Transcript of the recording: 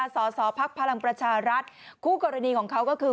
สสพลังประชารัฐคู่กรณีของเขาก็คือ